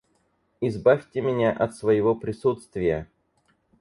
Избавьте меня от своего присутствия.